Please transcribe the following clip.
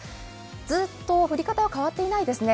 ずっと降り方は変わっていないですね。